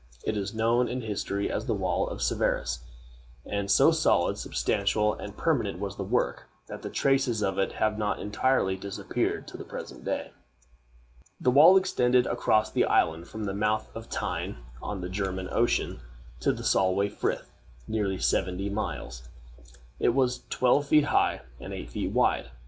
It is known in history as the Wall of Severus; and so solid, substantial, and permanent was the work, that the traces of it have not entirely disappeared to the present day. The wall extended across the island, from the mouth of the Tyne, on the German Ocean, to the Solway Frith nearly seventy miles. It was twelve feet high, and eight feet wide.